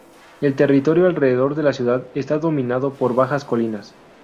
El territorio alrededor de la ciudad está dominado por bajas colinas.